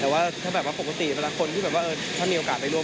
แต่ว่าถ้าแบบว่าปกติเวลาคนที่แบบว่าถ้ามีโอกาสไปร่วม